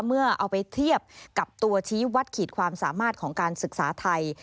เมื่อเอาไปเทียบกับตัวชี้วัดขีดความสามารถของการศึกษาไทย